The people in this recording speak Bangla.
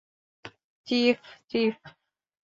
Chief, chief!